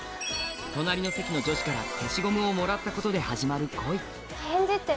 隣の席の女子から消しゴムをもらったことで始まる恋返事って